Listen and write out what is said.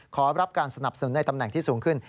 ขอรับการสนับสนุนในตำแหน่งที่สูงขึ้น